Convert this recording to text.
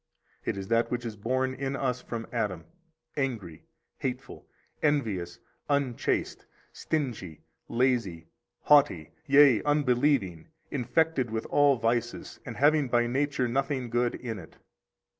It is that which is born in us from Adam, angry, hateful, envious, unchaste, stingy, lazy, haughty, yea, unbelieving, infected with all vices, and having by nature nothing good in it.